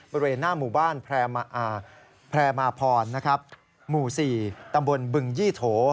บริเวณหน้าหมู่บ้านแพร่มาพรหมู่๔ตำบลบึงยี่โถ